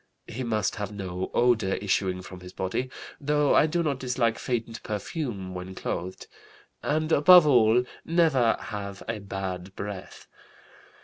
He must have no odor issuing from his body (though I do not dislike faint perfume when clothed), and, above all, never have a bad breath.